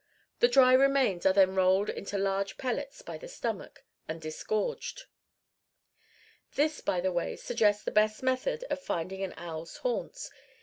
The dry remains are then rolled into large pellets by the stomach, and disgorged. This, by the way, suggests the best method of finding an owl's haunts.